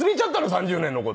３０年の事。